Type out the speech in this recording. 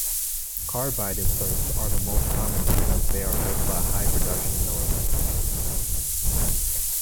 Carbide inserts are the most common because they are good for high production milling.